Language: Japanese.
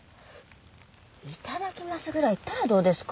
「いただきます」ぐらい言ったらどうですか？